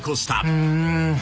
「うん」